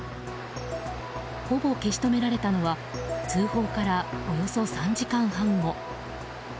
ほぼ消し止められたのは通報からおよそ３時間半後。